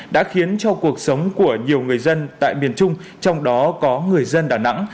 đã khiến cho cuộc sống của nhiều người dân tại miền trung trong đó có người dân đà nẵng